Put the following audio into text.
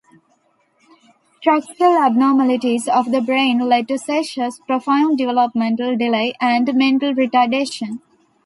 Structural abnormalities of the brain lead to seizures, profound developmental delay, and mental retardation.